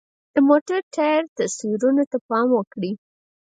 د موټر د ټایر تصویرو ته پام وکړئ.